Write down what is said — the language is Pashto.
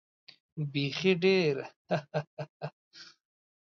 بېخي ډېر هههه.